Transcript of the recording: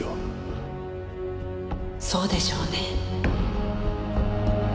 そうでしょうね。